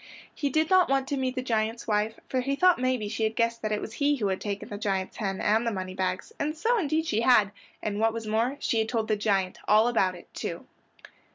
He did not want to meet the giant's wife, for he thought maybe she had guessed that it was he who had taken the giant's hen, and the moneybags, and so indeed she had, and what was more she had told the giant all about it, too.